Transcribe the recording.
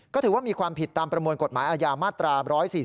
ก็ถือว่ามีความผิดตามประมวลกฎหมายอาญามาตรา๑๔๔